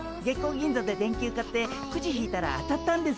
銀座で電球買ってクジ引いたら当たったんです。